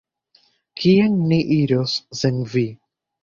Kien ni iros sen vi?